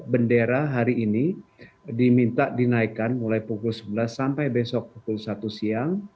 bendera hari ini diminta dinaikkan mulai pukul sebelas sampai besok pukul satu siang